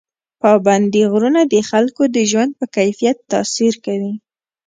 پابندي غرونه د خلکو د ژوند په کیفیت تاثیر کوي.